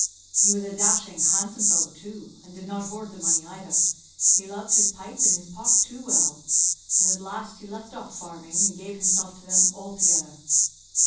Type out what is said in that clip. He was a dashing, handsome fellow, too, and did not hoard the money, either; he loved his pipe and his pot too well; and at last he left off farming, and gave himself to them altogether.